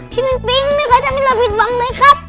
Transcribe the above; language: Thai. พี่ปิงปิงไม่เคยจะมีอะไรผิดหวังเลยครับ